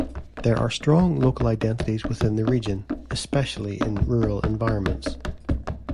There are strong local identities within the region, especially in rural environments.